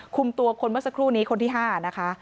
คุมตัวคนเมื่อสักครู่นี้คนที่๕นะคะ